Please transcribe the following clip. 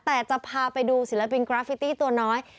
แต่จะพาไปดูศิลปินกราฟิตี้ตัวน้อย